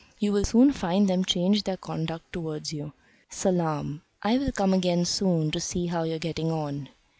You will soon find them change their conduct towards you. Salaam. I will come again soon to see how you are getting on."